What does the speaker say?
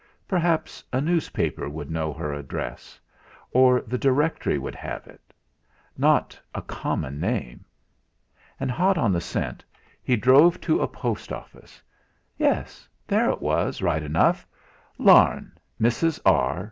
Perhaps a newspaper would know her address; or the Directory would give it not a common name! And, hot on the scent, he drove to a post office. Yes, there it was, right enough! "Larne, Mrs. R.